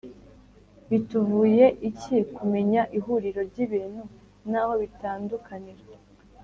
Bituvuye iki kumenya ihuriro ryibintu naho bitandukanira